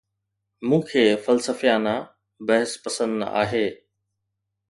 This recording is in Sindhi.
مون کي فلسفيانه بحث پسند نه آهي